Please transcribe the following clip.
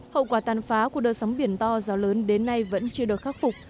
hậu quả tàn phá của đợt sóng biển to gió lớn đến nay vẫn chưa được khắc phục